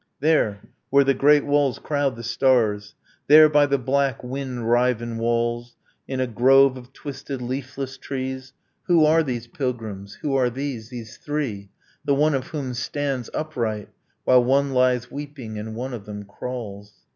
There, where the great walls crowd the stars, There, by the black wind riven walls, In a grove of twisted leafless trees. ... Who are these pilgrims, who are these, These three, the one of whom stands upright, While one lies weeping and one of them crawls?